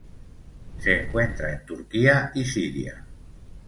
Se encuentra en Turquía y Siria.